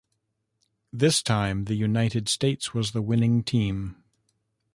This time the United States was the winning team.